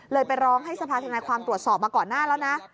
ไปร้องให้สภาธนาความตรวจสอบมาก่อนหน้าแล้วนะ